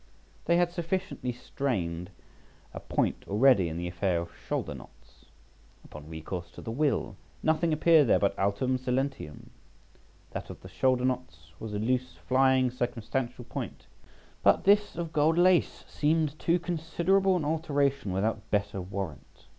They had sufficiently strained a point already in the affair of shoulder knots. Upon recourse to the will, nothing appeared there but altum silentium. That of the shoulder knots was a loose, flying, circumstantial point, but this of gold lace seemed too considerable an alteration without better warrant.